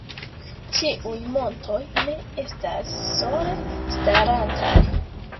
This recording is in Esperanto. Tiuj montoj ne estas sole starantaj.